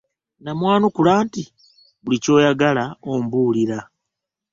Namwanukula nti, “Buli ky'oyagala ombuulira."